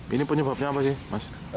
ini penyebabnya apa sih mas